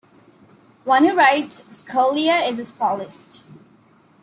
One who writes scholia is a scholiast.